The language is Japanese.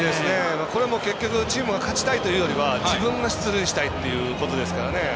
これは結局チームが勝ちたいというよりは自分が出塁したいということですからね。